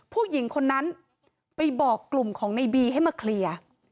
ผู้หญิงคนนั้นไปบอกกลุ่มของในบีให้มาเคลียร์